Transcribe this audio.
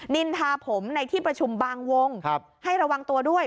นินทาผมในที่ประชุมบางวงให้ระวังตัวด้วย